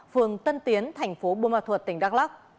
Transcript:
phường tân tiến thành phố bùa ma thuật tỉnh đắk lắc